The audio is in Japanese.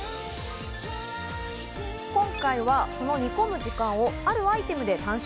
今回は、その煮込む時間をあるアイテムで短縮。